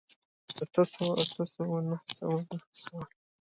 اته سوو، اتو سوو، نهه سوو، نهو سوو